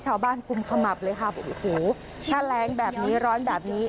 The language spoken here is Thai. กุมขมับเลยค่ะบอกโอ้โหถ้าแรงแบบนี้ร้อนแบบนี้